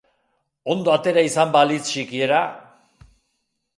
Ondo atera izan balitz sikiera!